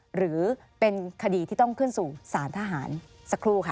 หรือเป็นคดีที่ต้องขึ้นสู่สารทหารสักครู่ค่ะ